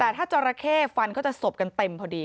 แต่ถ้าจราเข้ฟันเขาจะสบกันเต็มพอดี